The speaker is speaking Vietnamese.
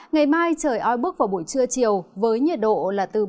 ngày mai trời oi bước vào buổi trưa chiều với nhiệt độ là từ ba mươi một ba mươi bốn độ